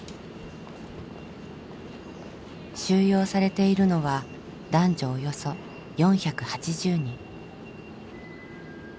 収容されているのは男女およそ４８０人。